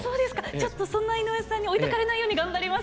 ちょっとそんな井上さんに置いてかれないように頑張ります。